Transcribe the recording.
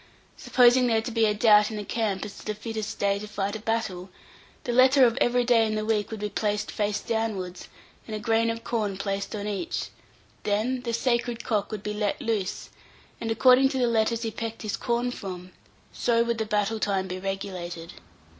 Supposing there to be a doubt in the camp as to the fittest day to fight a battle, the letter of every day in the week would be placed face downwards, and a grain of corn placed on each; then the sacred cock would be let loose, and, according to the letters he pecked his corn from, so would the battle time be regulated.